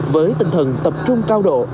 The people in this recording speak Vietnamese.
với tinh thần tập trung cao độ